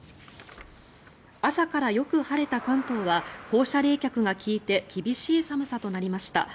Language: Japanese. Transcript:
朝からよく晴れた関東は放射冷却が利いて厳しい寒さとなりました。